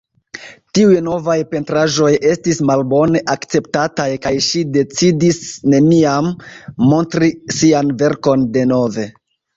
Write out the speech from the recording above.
Tiuj novaj pentraĵoj estis malbone akceptataj, kaj ŝi decidis neniam montri sian verkon denove.